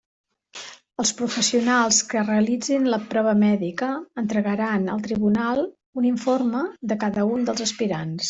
Els professionals que realitzin la prova mèdica entregaran al tribunal un informe de cada un dels aspirants.